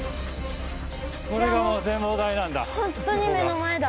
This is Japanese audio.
これがもう展望台なんだ。